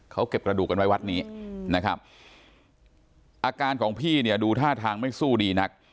เขาเก็บกระดูกกันไว้วัดนี้นะครับอาการของพี่เนี่ยดูท่าทางไม่สู้ดีนัก